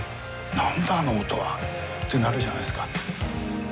何だあの音は？ってなるじゃないですか。